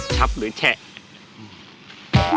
ชับหรือแชะ